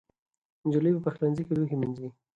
نجلۍ په پخلنځي کې لوښي مینځي.